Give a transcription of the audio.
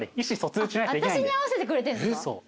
私に合わせてくれてるんですか？